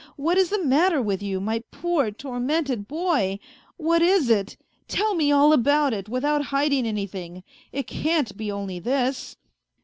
What is the matter with you, my poor, tormented boy ? What is it ? Tell me all about it, without hiding anything. It can't be only this